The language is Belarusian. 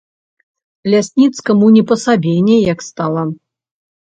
Лясніцкаму не па сабе неяк стала.